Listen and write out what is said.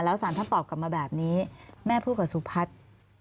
สารท่านตอบกลับมาแบบนี้แม่พูดกับสุพัฒน์